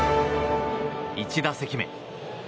１打席目。